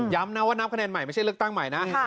นะว่านับคะแนนใหม่ไม่ใช่เลือกตั้งใหม่นะ